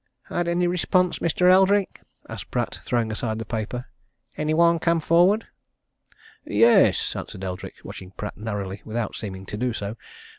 "Had any response, Mr. Eldrick?" asked Pratt, throwing aside the paper. "Any one come forward?" "Yes," answered Eldrick, watching Pratt narrowly without seeming to do so.